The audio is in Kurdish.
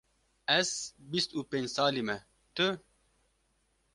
Ez bîst û pênc salî me, tu?